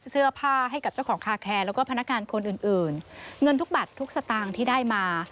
เสื้อผ้าให้กับเจ้าของคาแคร์แล้วก็พนักงานคนอื่นอื่นเงินทุกบัตรทุกสตางค์ที่ได้มา